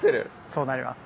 そうなります。